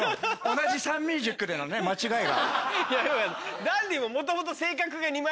同じサンミュージックでの間違いが。